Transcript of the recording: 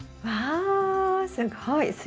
わすごい。